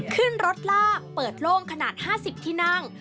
ขึ้นรถลากเปิดโล่งขนาด๕๐ที่นั่ง